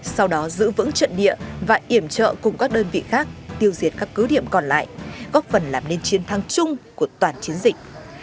sau đó giữ vững trận địa và iểm trợ cùng các đơn vị khác tiêu diệt các cứ điểm còn lại góp phần làm nên chiến thắng chung của toàn chiến dịch